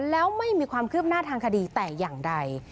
แล้วไม่มีความคืบหน้าทางคดีแต่อย่างใด